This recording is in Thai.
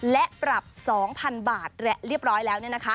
และปรับ๒๐๐๐บาทเรียบร้อยแล้วเนี่ยนะคะ